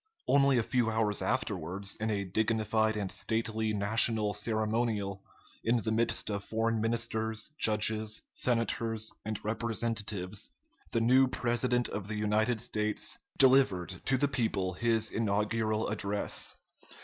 Only a few hours afterwards, in a dignified and stately national ceremonial, in the midst of foreign ministers, judges, senators, and representatives, the new President of the United States delivered to the people his inaugural address.